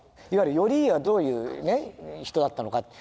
いわゆる頼家はどういうね人だったのか。